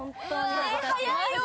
早いよ。